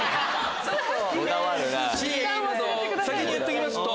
先に言っときますと。